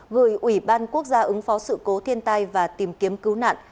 gửi ủy ban quốc gia ứng phó sự cố thiên tai và tìm kiếm cứu nạn